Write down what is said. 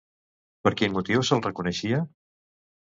Per quin motiu se'l reconeixia?